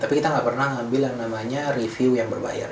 tapi kita nggak pernah ngambil yang namanya review yang berbayar